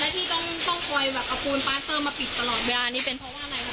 แล้วที่ต้องต้องคอยแบบเอาพูลปาร์เตอร์มาปิดตลอดเวลานี้เป็นเพราะว่าอะไรครับพี่